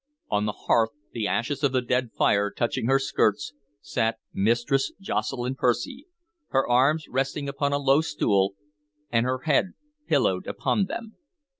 On the hearth, the ashes of the dead fire touching her skirts, sat Mistress Jocelyn Percy, her arms resting upon a low stool, and her head pillowed upon them.